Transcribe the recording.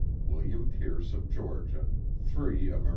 (William Pierce of Georgia; 3 Amer.